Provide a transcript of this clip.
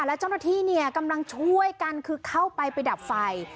แล้วเจ้าหน้าที่เนี่ยกำลังช่วยกันคือเข้าไปไปดับไฟ